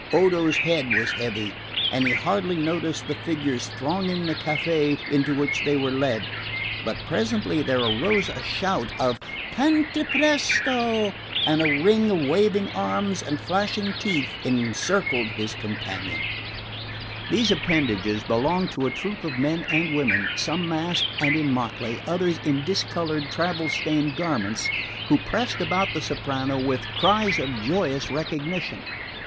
Odo's head was heavy, and he hardly noticed the figures thronging the caffe into which they were led; but presently there rose a shout of "Cantapresto!" and a ring of waving arms and flashing teeth encircled his companion. These appendages belonged to a troop of men and women, some masked and in motley, others in discoloured travel stained garments, who pressed about the soprano with cries of joyous recognition.